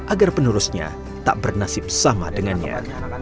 agar penerusnya tak bernasib sama dengannya